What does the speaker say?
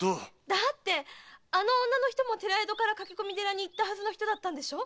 だってあの女の人も寺宿から駆け込み寺に行ったはずの人だったんでしょう？